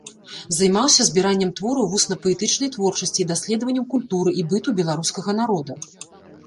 Займаўся збіраннем твораў вусна-паэтычнай творчасці і даследаваннем культуры і быту беларускага народа.